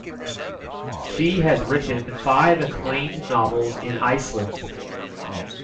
She has written five acclaimed novels in Iceland.